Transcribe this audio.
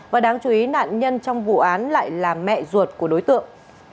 và đáng chú ý nạn nhân trong vụ án lại là mẹ ruột của đối tượng